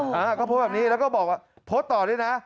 อ้าาก็พบแบบนี้แล้วก็บอกว่าโพสต์ต่อนี้นะ